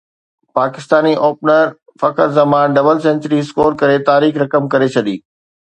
Pakistani opener Fakhar Zaman double century score ڪري تاريخ رقم ڪري ڇڏي